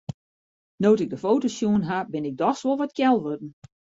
No't ik de foto's sjoen ha, bin ik dochs wol wat kjel wurden.